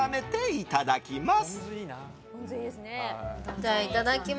いただきます。